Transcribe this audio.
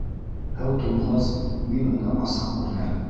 Һыу тонғас, мин уны асыҡ күрҙем.